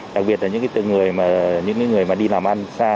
đặc biệt là những người đi làm ăn xa